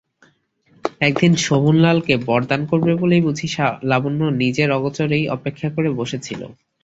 একদিন শোভনলালকে বরদান করবে বলেই বুঝি লাবণ্য নিজের অগোচরেই অপেক্ষা করে বসে ছিল।